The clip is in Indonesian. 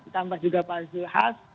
tambah juga pak zulhas